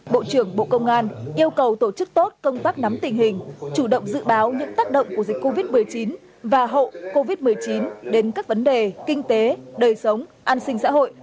bộ trưởng bộ công an yêu cầu tổ chức tốt công tác nắm tình hình chủ động dự báo những tác động của dịch covid một mươi chín và hậu covid một mươi chín đến các vấn đề kinh tế đời sống an sinh xã hội